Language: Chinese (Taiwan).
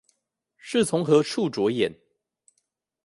是從何處著眼？